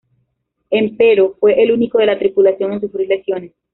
Empero, fue el único de la tripulación en sufrir lesiones.